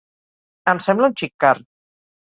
Em sembla un xic car.